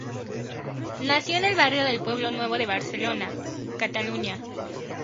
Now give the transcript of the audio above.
Nació en el barrio del Pueblo Nuevo de Barcelona, Cataluña.